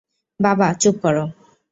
বাবা, চুপ করো।